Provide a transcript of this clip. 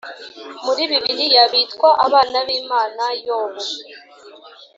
Muri Bibiliya bitwa abana b Imana Yobu